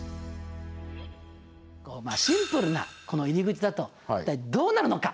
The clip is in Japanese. まあシンプルなこの入り口だと一体どうなるのか。